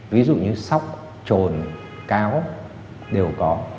ví dụ như sóc trồn cáo đều có